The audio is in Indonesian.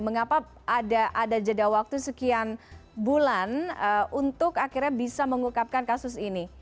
mengapa ada jeda waktu sekian bulan untuk akhirnya bisa mengukapkan kasus ini